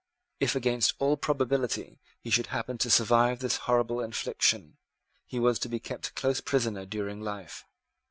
If, against all probability, he should happen to survive this horrible infliction, he was to be kept close prisoner during life.